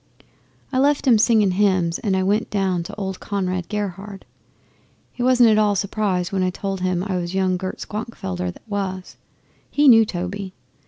'I left 'em singing hymns and I went down to old Conrad Gerhard. He wasn't at all surprised when I told him I was young Gert Schwankfelder that was. He knew Toby.